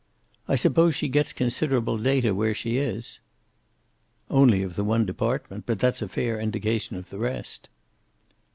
I suppose she gets considerable data where she is?" "Only of the one department. But that's a fair indication of the rest."